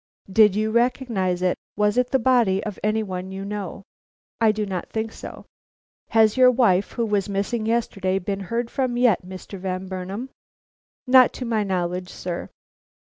"Did you recognize it? Was it the body of any one you know?" "I do not think so." "Has your wife, who was missing yesterday, been heard from yet, Mr. Van Burnam?" "Not to my knowledge, sir."